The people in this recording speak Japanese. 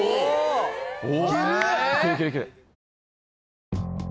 お！